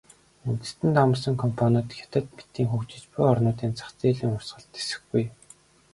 Үндэстэн дамнасан компаниуд Хятад мэтийн хөгжиж буй орнуудын зах зээлийн урсгалд тэсэхгүй.